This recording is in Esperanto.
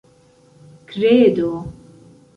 kredo